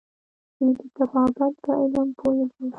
دوی د طبابت په علم پوهیدل